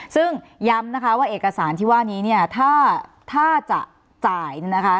ซึ่งย้ำนะคะว่าเอกสารที่ว่านี้เนี่ยถ้าจะจ่ายเนี่ยนะคะ